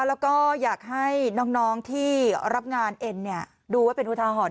แล้วก็อยากให้น้องที่รับงานเอ็นดูไว้เป็นอุทาหรณ